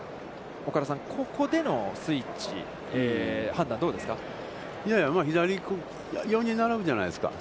岡田さん、ここでのスイッチ、判断はどうですか。